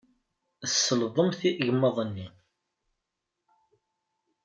Tselḍemt igmaḍ-nni.